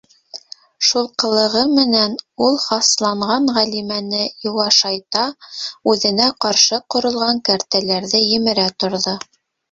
Шул ҡылығы менән ул хасланған Ғәлимәне йыуашайта, үҙенә ҡаршы ҡоролған кәртәләрҙе емерә торҙо.